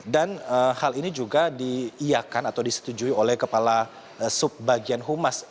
dan hal ini juga diiakan atau disetujui oleh kepala subbagian humas